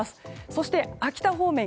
そして、秋田方面。